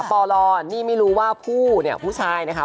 ปลนี่ไม่รู้ว่าผู้เนี่ยผู้ชายนะคะ